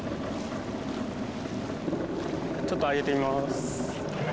ちょっと揚げてみます。